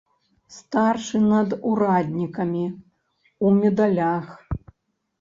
Старшы над ураднікамі, у медалях.